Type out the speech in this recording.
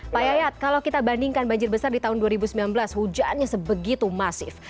pak yayat kalau kita bandingkan banjir besar di tahun dua ribu sembilan belas hujannya sebegitu masif